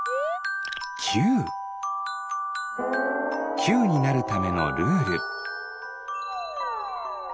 きゅうになるためのルール。